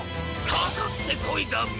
かかってこいだビ！